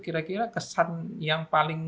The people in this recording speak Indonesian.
kira kira kesan yang paling